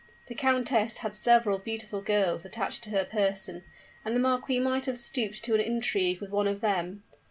The countess had several beautiful girls attached to her person; and the marquis might have stooped to an intrigue with one of them.